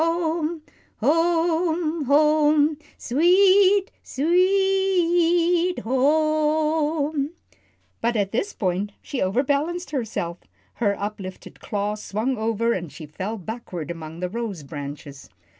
Home, home, sweet, s we e e t ho o o me," but at this point she overbalanced herself. Her uplifted claw swung over and she fell backward among the rose branches.